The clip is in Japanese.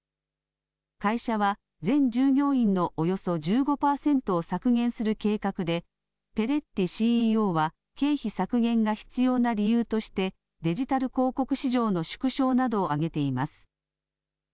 会社は全従業員のおよそ１５％を削減する計画でペレッティＣＥＯは経費削減が必要な理由としてデジタル広告市場の縮小などを挙げています。